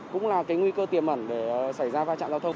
cũng là cái nguy cơ tiềm ẩn để xảy ra va chạm giao thông